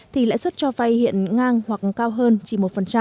thì lợi suất cho vai hiện ngang hoặc cao hơn chỉ một